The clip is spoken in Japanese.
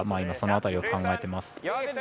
今、その辺りを考えてます。